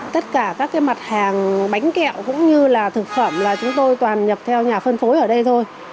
tất cả các cái mặt hàng bánh kẹo cũng như là thực phẩm là chúng tôi toàn nhập theo nhà phân phối ở đây thôi